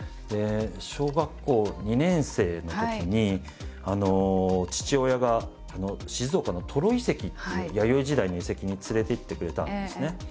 小学校２年生のときに父親が静岡の登呂遺跡っていう弥生時代の遺跡に連れて行ってくれたんですね。